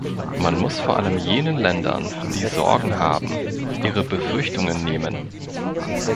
Man muss vor allem jenen Ländern, die Sorgen haben, ihre Befürchtungen nehmen.